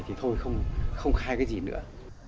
thì thôi không khai cái gì nữa